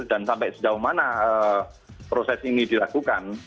dan sampai sejauh mana proses ini dilakukan